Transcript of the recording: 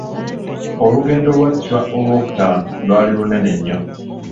Olugendo lwa Chwa olw'okutaano lwali lunene nnyo.